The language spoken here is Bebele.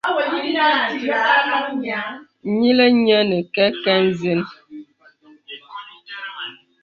Nyìlaŋ nyə̄ nə kɛkɛ ǹzən.